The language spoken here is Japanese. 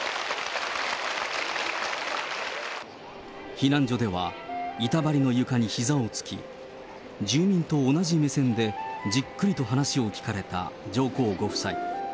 避難所では、板張りの床にひざをつき、住民と同じ目線でじっくりと話を聞かれた上皇ご夫妻。